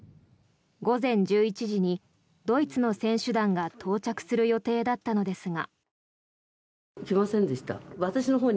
午前１１時にドイツの選手団が到着する予定だったのですが。